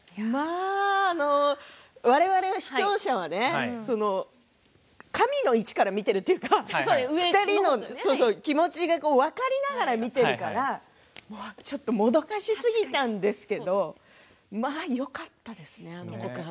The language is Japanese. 我々、視聴者は神の位置から見ているというか２人の気持ちが分かりながら見ているからちょっともどかしすぎたんですけれどまあよかったですね、あの告白。